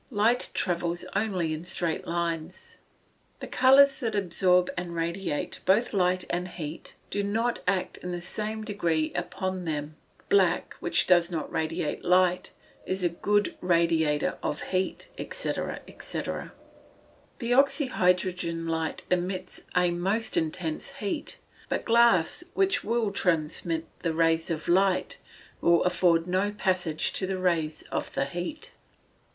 Light travels only in straight lines. The colours that absorb and radiate both light and heat do not act in the same degree upon them both. Black, which does not radiate light, is a good radiator of heat, &c., &c. The oxy hydrogen light emits a most intense heat, but glass which will transmit the rays of light, will afford no passage to the rays of the heat.